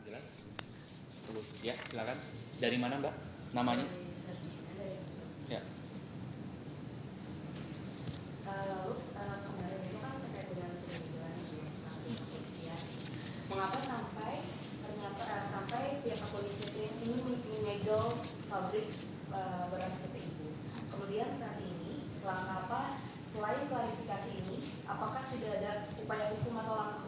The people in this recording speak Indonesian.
lalu tanam kembarannya itu kan terkait dengan kualitas beras